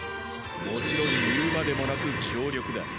もちろん言うまでもなく強力だ。